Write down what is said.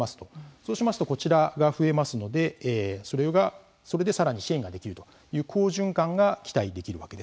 そうしますとこちらが増えますのでそれでさらに支援ができるという好循環が期待できるわけです。